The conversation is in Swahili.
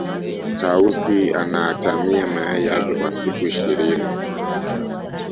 tausi anaatamia mayai yake kwa siku ishirini